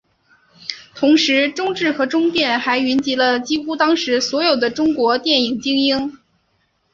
同时中制和中电还云集了几乎当时所有的中国电影精英。